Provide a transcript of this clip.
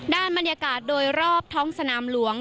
บรรยากาศโดยรอบท้องสนามหลวง